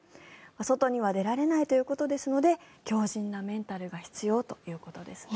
外には出られないということですので強じんなメンタルが必要ということです。